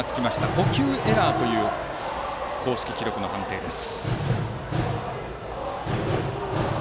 捕球エラーという公式記録の判定です。